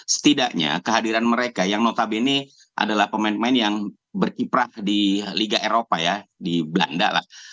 setidaknya kehadiran mereka yang notabene adalah pemain pemain yang berkiprah di liga eropa ya di belanda lah